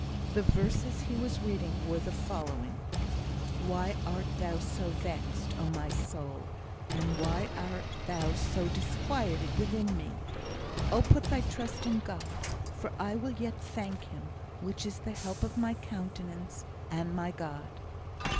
The verses he was reading were the following: Why art thou so vexed, O my soul: and why art thou so disquieted within me? O put thy trust in God: for I will yet thank him, which is the help of my countenance, and my God.